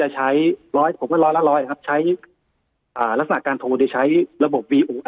ใช้ร้อยผมว่าร้อยละร้อยนะครับใช้อ่าลักษณะการโทรที่ใช้ระบบ